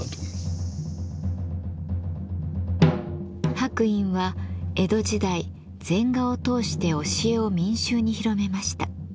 白隠は江戸時代禅画を通して教えを民衆に広めました。